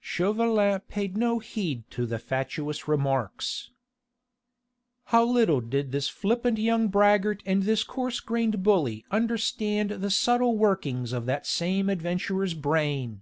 Chauvelin paid no heed to the fatuous remarks. How little did this flippant young braggart and this coarse grained bully understand the subtle workings of that same adventurer's brain!